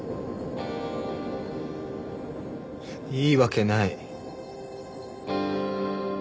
いいわけない。